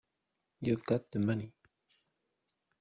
You've got the money.